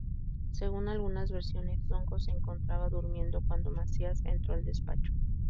Según algunas versiones, Ndongo se encontraba durmiendo cuando Macías entró al despacho.